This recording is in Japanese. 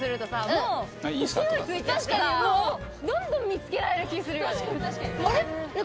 もう勢いついてどんどん見つけられる気するよね